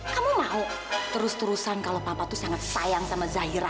kamu mau terus terusan kalau papa itu sangat sayang sama zahira